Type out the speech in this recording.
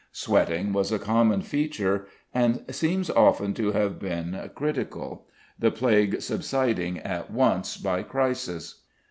Sweating was a common feature, and seems often to have been "critical," the plague subsiding at once by crisis.